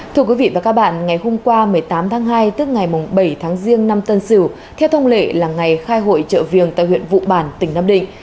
thưa quý vị và các bạn ngày hôm qua một mươi tám tháng hai tức ngày bảy tháng riêng năm tân sửu theo thông lệ là ngày khai hội trợ viềng tại huyện vụ bản tỉnh nam định